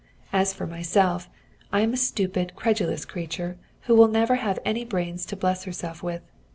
As for myself, I am a stupid, credulous creature, who will never have any brains to bless herself with.